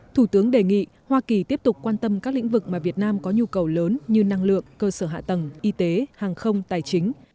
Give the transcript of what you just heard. thủ tướng đề nghị hoa kỳ tiếp tục quan tâm các lĩnh vực mà việt nam có nhu cầu lớn như năng lượng cơ sở hạ tầng y tế hàng không tài chính